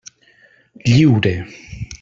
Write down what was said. Lliure!